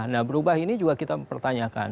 nah berubah ini juga kita pertanyakan